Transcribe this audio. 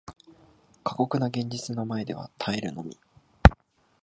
過酷な現実の前では耐えるのみ